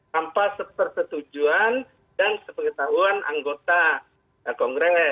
tanpa persetujuan dan pengetahuan anggota kongres